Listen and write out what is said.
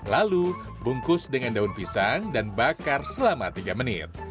lalu bungkus dengan daun pisang dan bakar selama tiga menit